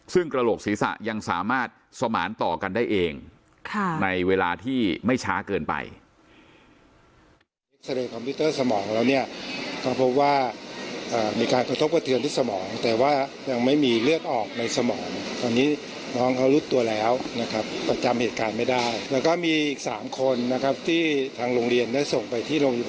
ซึ่งกระโหลกศีรษะยังสามารถสมานต่อกันได้เองในเวลาที่ไม่ช้าเกินไป